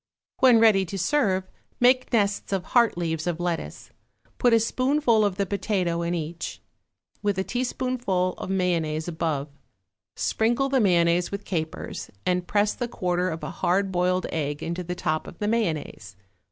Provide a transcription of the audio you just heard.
When ready to serve, make nests of heart leaves of lettuce, put a spoonful of the potato in each, with a teaspoonful of mayonnaise above, sprinkle the mayonnaise with capers, and press the quarter of a hard boiled egg into the top of the mayonnaise.